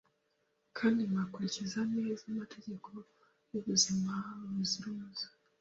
kandi mugakurikiza neza amategeko y’ubuzima buzira umuze.